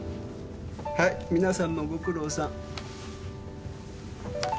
皆さんもご苦労さん。